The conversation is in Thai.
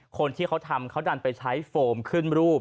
คนที่เขาทำเขาดันไปใช้โฟมขึ้นรูป